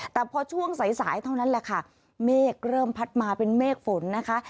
แต่พอช่วงสายสายเท่านั้นแหละค่ะเมฆเริ่มพัดมาเป็นเมฆฝนนะคะ